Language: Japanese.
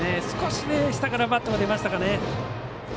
少し、下からバットが出ましたかね。